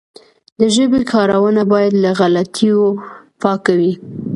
د ژبي کارونه باید له غلطیو پاکه وي.